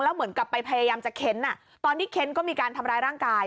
เหมือนกับไปพยายามจะเค้นตอนที่เค้นก็มีการทำร้ายร่างกาย